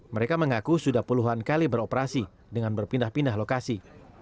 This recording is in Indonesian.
mereka mengaku sudah puluhan kali beroperasi dengan berpindah pindah lokasi